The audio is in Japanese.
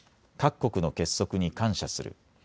各国の結束に感謝する。